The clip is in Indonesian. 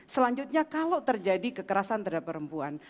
selanjutnya kalau terjadi kekerasan terhadap perempuan